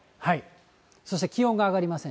そして気温が上がりません。